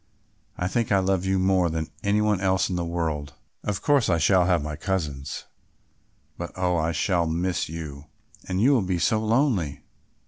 I think I love you more than any one else in the world. Of course I shall have my cousins, but, oh! I shall miss you; and you will be so lonely."